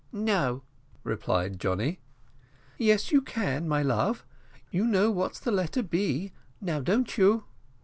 "No," replied Johnny. "Yes, you can, my love; you know what's the letter B. Now don't you?"